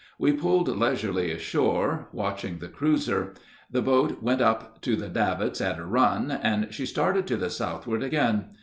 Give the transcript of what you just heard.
We pulled leisurely ashore, watching the cruiser. The boat went up to the davits at a run, and she started to the southward again.